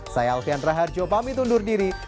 saya alfian raharjo pamit undur diri